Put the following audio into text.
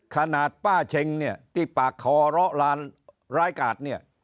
ขนาดป้าเช็งเนี่ยที่ปากคอเลาะร้านร้ายกาดเนี่ย